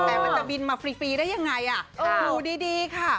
แต่มันจะบินมาฟรีได้ยังไงอยู่ดีค่ะ